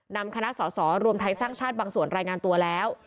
นำคณะสอสอรวมไทยสร้างชาติบางส่วนรายงานตัวแล้ว